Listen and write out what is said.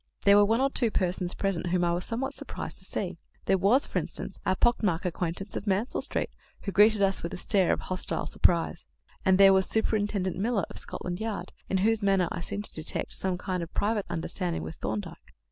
There were one or two persons present whom I was somewhat surprised to see. There was, for instance, our pock marked acquaintance of Mansell Street, who greeted us with a stare of hostile surprise; and there was Superintendent Miller of Scotland Yard, in whose manner I seemed to detect some kind of private understanding with Thorndyke.